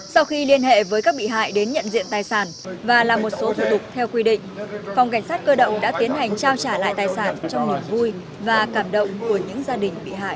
sau khi liên hệ với các bị hại đến nhận diện tài sản và làm một số thủ tục theo quy định phòng cảnh sát cơ động đã tiến hành trao trả lại tài sản trong niềm vui và cảm động của những gia đình bị hại